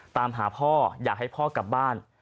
ตามหาพ่ออยากให้พ่อกลับบ้าน